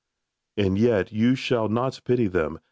And yet you shall not pity them